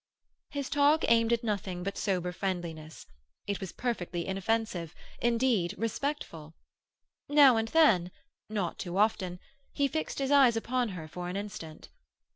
His talk aimed at nothing but sober friendliness; it was perfectly inoffensive—indeed, respectful. Now and then—not too often—he fixed his eyes upon her for an instant.